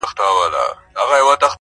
• چي به کله ښکاري باز پر را ښکاره سو -